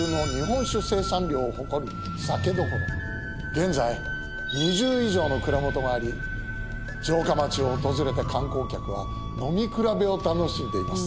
現在２０以上の蔵元があり城下町を訪れた観光客は飲み比べを楽しんでいます。